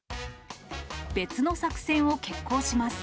別の作戦を決行します。